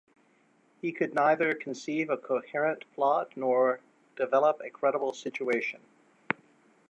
He could neither conceive a coherent plot, nor develop a credible situation.